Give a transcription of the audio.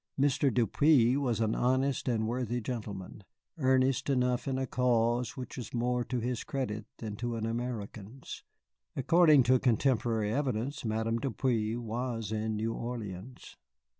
Mr. Depeau was an honest and worthy gentleman, earnest enough in a cause which was more to his credit than to an American's. According to contemporary evidence, Madame Depeau was in New Orleans.